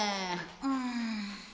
うん。